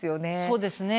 そうですね。